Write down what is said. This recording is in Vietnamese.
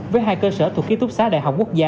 với hai cơ sở thuộc ký túc xá đại học quốc gia